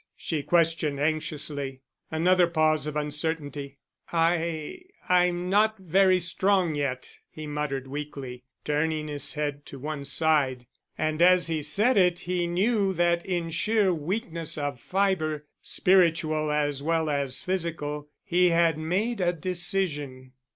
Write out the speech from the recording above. she questioned anxiously. Another pause of uncertainty. "I—I'm not—very strong yet," he muttered weakly, turning his head to one side. And as he said it, he knew that in sheer weakness of fiber, spiritual as well as physical, he had made a decision.